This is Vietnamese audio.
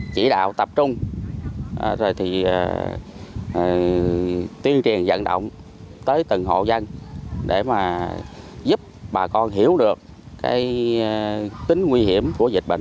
chỉ đạo tập trung tiên triền dẫn động tới từng hộ dân để giúp bà con hiểu được tính nguy hiểm của dịch bệnh